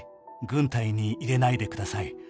「軍隊に入れないでください」